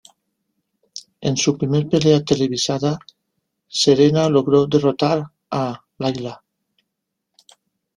En su primer pelea televisada, Serena logró derrotar a Layla.